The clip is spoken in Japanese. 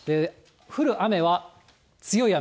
降る雨は強い雨。